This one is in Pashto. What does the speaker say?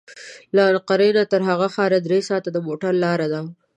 له انقره تر هغه ښاره درې ساعته د موټر لاره ده.